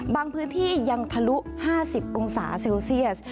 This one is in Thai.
บางพื้นที่ยังทะลุ๕๐องศาเซลเซียส